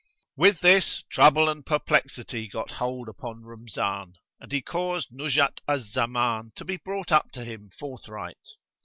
With this, trouble and perplexity got hold upon Rumzan and he caused Nuzhat al Zaman to be brought up to him forthright.